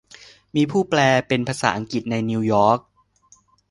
มีผู้แปลเป็นภาษาอังกฤษในนิวยอร์ค